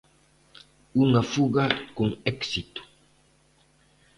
Unha fuga con éxito.